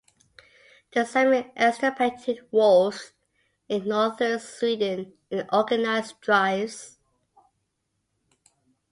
The Sami extirpated wolves in northern Sweden in organized drives.